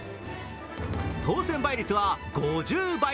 当選倍率は５０倍。